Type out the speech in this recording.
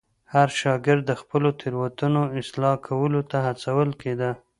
هر شاګرد د خپلو تېروتنو اصلاح کولو ته هڅول کېده.